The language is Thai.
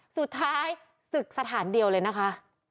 สุดท้ายศึกสถานเดียวเลยนะคะ